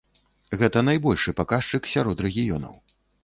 Гэта найбольшы паказчык сярод рэгіёнаў.